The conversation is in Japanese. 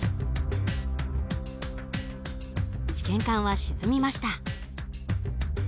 試験管は沈みました。